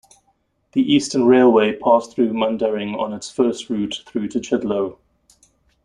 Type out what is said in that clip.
The Eastern Railway passed through Mundaring on its "first route" through to Chidlow.